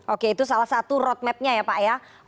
oke itu salah satu roadmapnya ya pak ya